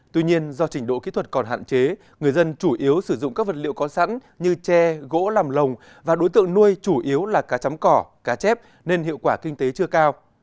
tuy nhiên do trình độ kỹ thuật còn hạn chế người dân chủ yếu sử dụng các vật liệu có sẵn như tre gỗ làm lồng và đối tượng nuôi chủ yếu là cá chấm cỏ cá chép nên hiệu quả kinh tế chưa cao